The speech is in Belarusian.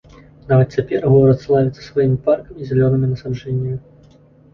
Нават цяпер горад славіцца сваімі паркамі і зялёнымі насаджэннямі.